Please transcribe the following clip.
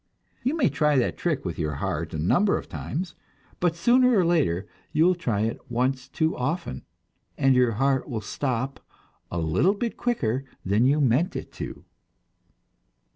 You may try that trick with your heart a number of times, but sooner or later you will try it once too often your heart will stop a little bit quicker than you meant it to!